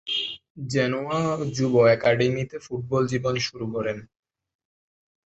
Genoa যুব অ্যাকাডেমিতে football জীবন শুরু করেন।